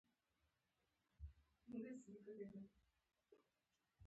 پلار دې ماشومانو ته په پښتو کیسې وکړي.